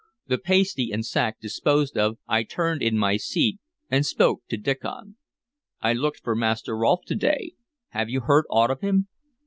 The pasty and sack disposed of, I turned in my seat and spoke to Diccon: "I looked for Master Rolfe to day. Have you heard aught of him?"